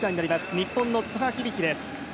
日本の津波響樹です。